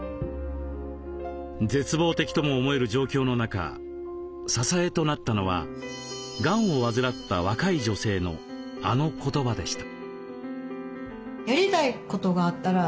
絶望的とも思える状況の中支えとなったのはがんを患った若い女性のあの言葉でした。